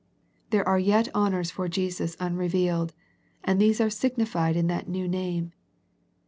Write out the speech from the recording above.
There are yet honours for Jesus unre vealed, and these are signified in that new name.